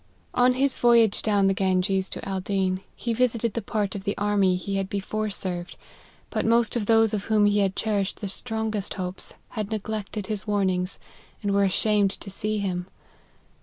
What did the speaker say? On his voyage down the Ganges to Aldeen, he visited the part of the army he had before served ; but most of those of whom he had cherished the strongest hopes, had neglect ed his warnings, and were ashamed to see him.